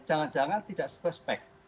jangan jangan tidak stress pack